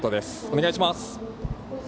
お願いします。